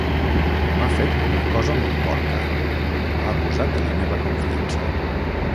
M'ha fet una cosa molt porca: ha abusat de la meva confiança.